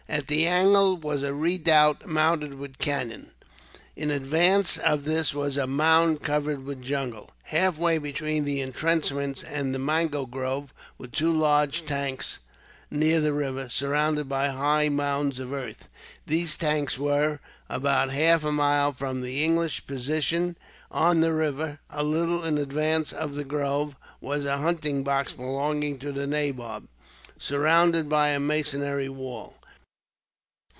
At the angle was a redoubt, mounted with cannon. In advance of this was a mound, covered with jungle. Halfway between the intrenchments and the mango grove were two large tanks, near the river, surrounded by high mounds of earth. These tanks were about half a mile from the English position. On the river bank, a little in advance of the grove, was a hunting box belonging to the nabob, surrounded by a masonry wall.